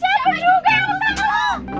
siapa juga yang mau sama lo